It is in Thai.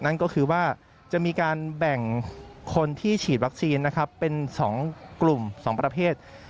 นั่นก็คือว่าจะมีการแบ่งคนที่ฉีดวัคซีนนะครับเป็น๒กลุ่ม๒ประเภท